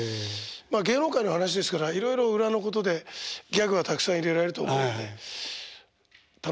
まあ芸能界の話ですからいろいろ裏のことでギャグはたくさん入れられると思うんで楽しい作品にはなると思いますけど。